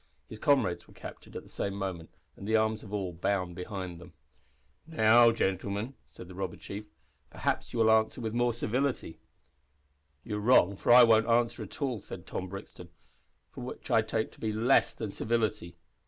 His comrades were captured at the same moment, and the arms of all bound behind them. "Now, gentlemen," said the robber chief, "perhaps you will answer with more civility." "You are wrong, for I won't answer at all," said Tom Brixton, "which I take to be less civility."